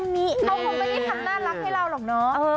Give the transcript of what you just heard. เขาคงไม่ได้ทำน่ารักให้เราหรอกเนาะ